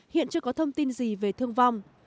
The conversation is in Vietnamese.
hiện chưa có thông tin gì về thương vong